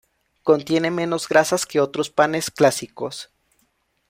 Contiene menos grasas que otros panes clásicos.